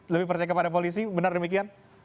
lebih percaya kepada polisi benar demikian